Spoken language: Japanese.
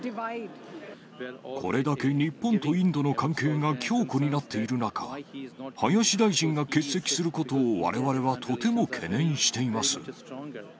これだけ日本とインドの関係が強固になっている中、林大臣が欠席することをわれわれはとても懸念しています。